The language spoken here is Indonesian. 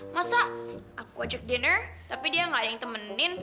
masa aku ojek dinner tapi dia gak ada yang temenin